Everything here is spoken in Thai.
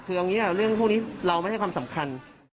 คือเอางี้เรื่องพวกนี้เราไม่ได้ความสำคัญ